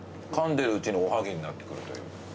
かんでるうちにおはぎになってくるという。